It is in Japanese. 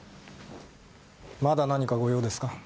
まだ何かご用ですか？